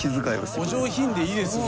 お上品でいいですね。